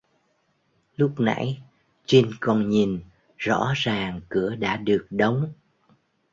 Lúc nãy trinh còn nhìn rõ ràng cửa đã được đóng